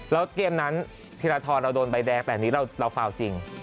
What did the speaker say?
แล้วเกมนั้นธีรทรเราโดนใบแดงแต่อันนี้เราฟาวจริง